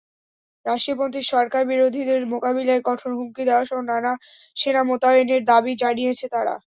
রাশিয়াপন্থী সরকারবিরোধীদের মোকাবিলায় কঠোর হুমকি দেওয়াসহ সেনা মোতায়েনের দাবি জানিয়েছে তারা।